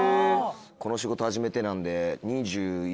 この仕事始めてなんで。